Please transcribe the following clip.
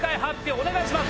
お願いします。